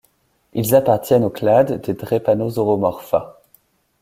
Ils appartiennent au clade des Drepanosauromorpha.